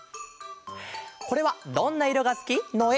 これは「どんな色がすき」のえ！